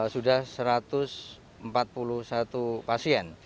sudah satu ratus empat puluh satu pasien